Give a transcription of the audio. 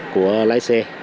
của lái xe